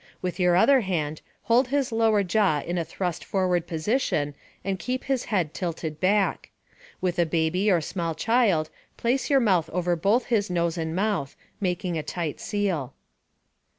With your other hand, hold his lower jaw in a thrust forward position and keep his head tilted back. With a baby or small child, place your mouth over both his nose and mouth, making a tight seal.